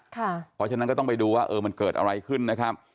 เพราะฉะนั้นก็ต้องไปดูว่ามันเกิดอะไรขึ้นนะครับ